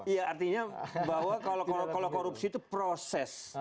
iya artinya bahwa kalau korupsi itu proses